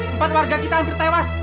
empat warga kita hampir tewas